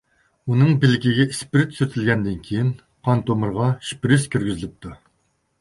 ئۇنىڭ بىلىكىگە ئىسپىرت سۈرتۈلگەندىن كېيىن، قان تومۇرىغا شپىرىس كىرگۈزۈلۈپتۇ.